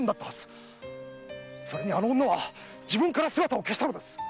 それにあの女は自分から姿を消したのです！